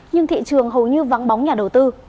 nhưng thị trường hầu như vắng bóng nhà đầu tư